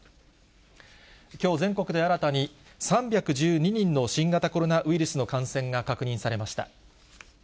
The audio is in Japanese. きょう全国で新たに３１２人の新型コロナウイルスの感染が確認されました。